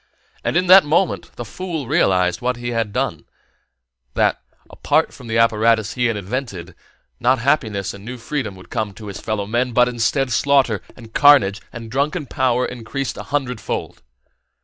And in that moment the fool realized what he had done: that, from the apparatus he had invented, not happiness and new freedom would come to his fellow men, but instead slaughter and carnage and drunken power increased a hundredfold.